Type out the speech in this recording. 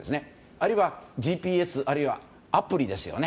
あるいはＧＰＳ、アプリですよね